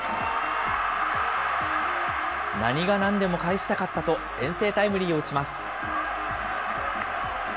何が何でも返したかったと、先制タイムリーを打ちます。